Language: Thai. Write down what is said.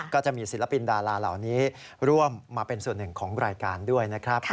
ก็จะมีศิลปินดาราเหล่านี้ร่วมมาเป็นส่วนหนึ่งของรายการด้วยนะครับ